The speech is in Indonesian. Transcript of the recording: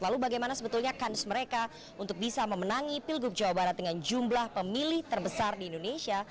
lalu bagaimana sebetulnya kans mereka untuk bisa memenangi pilgub jawa barat dengan jumlah pemilih terbesar di indonesia